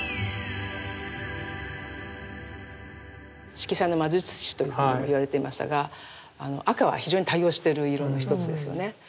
色彩の魔術師といわれてましたが赤は非常に多用してる色の一つですよね。